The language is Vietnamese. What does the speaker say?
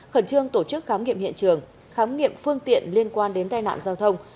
khẩn trương tổ chức khám nghiệm hiện trường khám nghiệm phương tiện liên quan đến tai nạn giao thông